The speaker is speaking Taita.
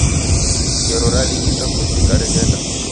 Ngelo ralighisa kuvika reghenda.